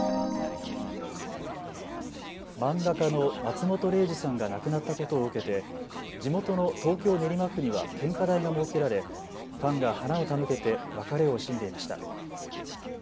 漫画家の松本零士さんが亡くなったことを受けて地元の東京練馬区には献花台が設けられ、ファンが花を手向けて別れを惜しんでいました。